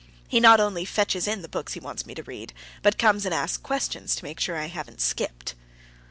He not only fetches in the books he wants me to read, but comes and asks questions to make sure I haven't skipped.